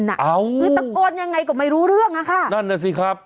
คือตะโกนยังไงก็ไม่รู้เรื่องอะค่ะนั่นน่ะสิครับ